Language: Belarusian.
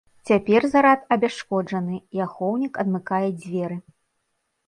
Цяпер зарад абясшкоджаны, і ахоўнік адмыкае дзверы.